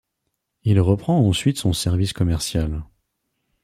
Il reprend ensuite son service commercial.